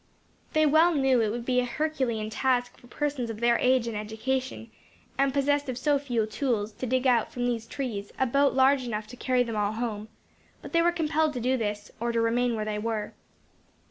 They well knew it would be a herculean task for persons of their age and education, and possessed of so few tools, to dig out, from these trees, a boat large enough to carry them all home; but they were compelled to do this, or to remain where they were.